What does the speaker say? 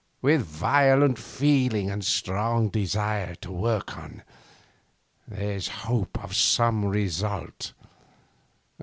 With violent feeling and strong desire to work on, there's hope of some result.